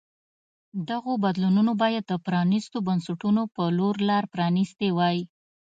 دغو بدلونونو باید د پرانیستو بنسټونو په لور لار پرانیستې وای.